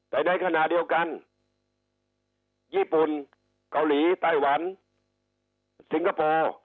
แต่ในขณะเดียวกันญี่ปุ่นเกาหลีไต้หวันสิงคโปร์